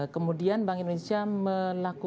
kemudian bank indonesia melakukan